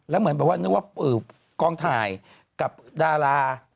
แล้วเหมือนแบบว่านึกว่ากองถ่ายกับดารา